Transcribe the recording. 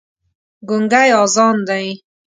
ګونګی اذان دی